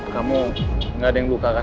kamu tidak ada yang melukakan